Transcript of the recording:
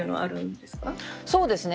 そうですね。